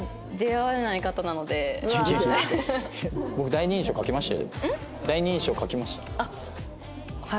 第二印象書きました。